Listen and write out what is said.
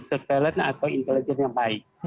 surveillance atau intelijen yang baik